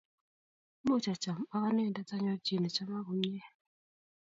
Much acham ak anendet anyoru chi ne chaman komye